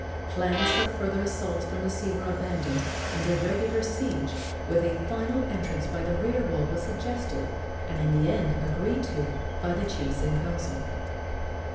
Plans for further assaults from the sea were abandoned, and a regular siege, with a final entrance by the rear wall, was suggested and in the end agreed to by the chiefs in council.